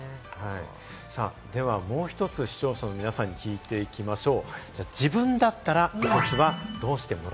ではもう一つ、視聴者の皆さんに聞いていきましょう。